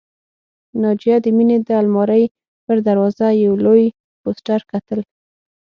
ناجیه د مينې د آلمارۍ پر دروازه یو لوی پوسټر کتل